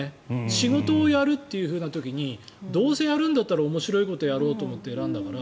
仕事をやるという時にどうせやるんだったら面白いことをやろうと思って選んだから。